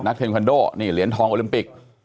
นักเทควันโดเหรียญทองโอลิมปิก